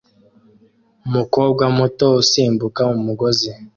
Umukobwa muto usimbuka umugozi